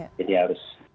jadi kita harus berpikir